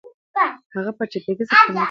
هغه په چټکۍ سره پخلنځي ته ننووت.